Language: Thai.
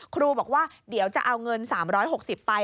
ครูบอกว่าเดี๋ยวจะเอาเงิน๓๖๐ไป